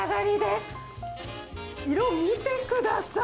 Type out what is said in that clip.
色、見てください。